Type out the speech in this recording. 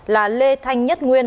là lê thanh nhất nguyên